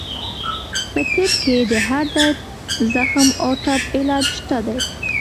په طب کې د هر درد، زخم او ټپ علاج شته دی.